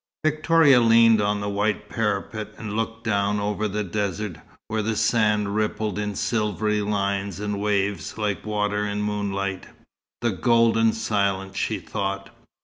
Victoria leaned on the white parapet, and looked down over the desert, where the sand rippled in silvery lines and waves, like water in moonlight. "The golden silence!" she thought.